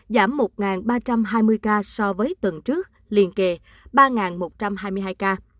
giảm một ba trăm hai mươi ca so với tuần trước liên kề ba một trăm hai mươi hai ca